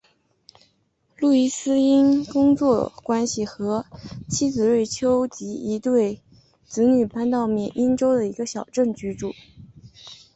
路易斯因工作关系与妻子瑞秋及一对子女搬到缅因州的一个小镇居住。